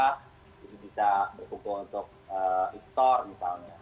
jadi bisa berkumpul untuk e store misalnya